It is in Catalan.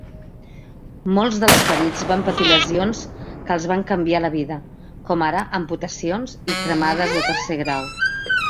Molts dels ferits van patir lesions que els van canviar la vida, com ara amputacions i cremades de tercer grau.